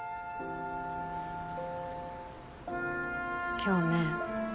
今日ね